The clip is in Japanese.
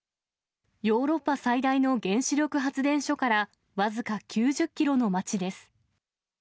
ヨーロッパ最大の原子力発電所から僅か９０キロの町です。